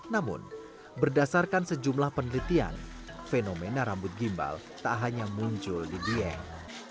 namun berdasarkan sejumlah penelitian fenomena rambut gimbal tak hanya muncul di dieng